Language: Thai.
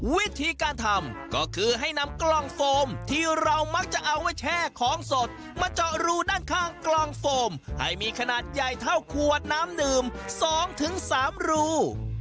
วิธีการทำก็คือให้นำกล่องโฟมที่เรามักจะเอาไว้แช่ของสดมาเจาะรูด้านข้างกล่องโฟมให้มีขนาดใหญ่เท่าขวดน้ำดื่ม๒๓รู